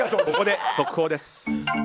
ここで速報です。